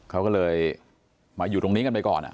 เขาก็เลยมาอยู่ตรงนี้กันไปก่อน